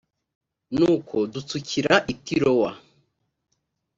nuko dutsukira i tirowa